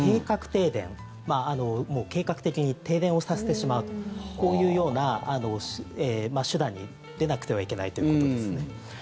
停電計画的に停電をさせてしまうこういうような手段に出なくてはいけないということですね。